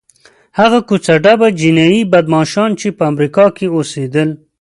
هغه کوڅه ډب جنایي بدماشان چې په امریکا کې اوسېدل.